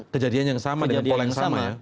kejadian yang sama dengan pola yang sama